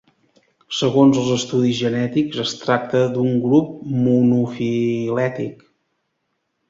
Segons els estudis genètics es tracta d'un grup monofilètic.